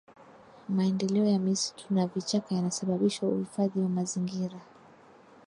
maendeleo ya misitu na vichaka yanasababishwa uhifadhi wa mazingira